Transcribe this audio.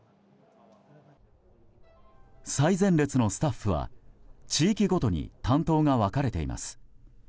最前列のスタッフは、地域ごとに担当が分かれています。